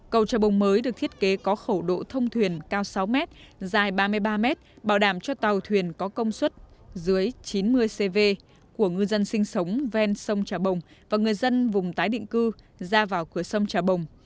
cầu trà bồng mới được thiết kế có khẩu độ thông thuyền cao sáu mét dài ba mươi ba mét bảo đảm cho tàu thuyền có công suất dưới chín mươi cv của ngư dân sinh sống ven sông trà bồng và người dân vùng tái định cư ra vào cửa sông trà bồng